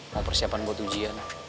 mau persiapan buat ujian